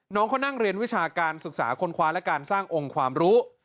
น้องเขานั่งเรียนวิชาการศึกษาคนคว้าและการสร้างองค์ความรู้